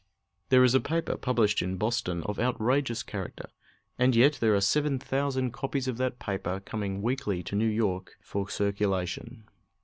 There is a paper published in Boston of outrageous character, and yet there are seven thousand copies of that paper coming weekly to New York for circulation.